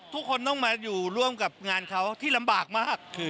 ทุกคนต้องมาอยู่ร่วมกับงานเขาที่ลำบากมาก